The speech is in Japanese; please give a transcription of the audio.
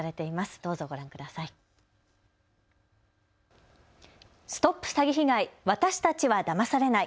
どうぞご覧ください。